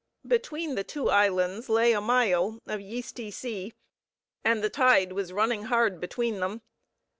Between the two islands lay a mile of yeasty sea, and the tide was running hard between them.